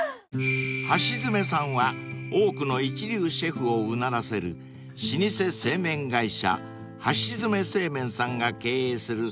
［はしづめさんは多くの一流シェフをうならせる老舗製麺会社はしづめ製麺さんが経営する］